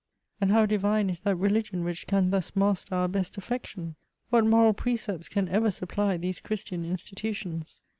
And how divine is that religion which can thus master our best affection! What moral precepts can ever supply these Christian institutions